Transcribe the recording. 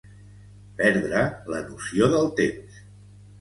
Perdre la noció del temps.